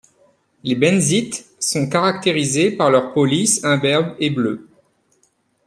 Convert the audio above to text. Les Benzites sont caractérisés par leur peau lisse, imberbe et bleue.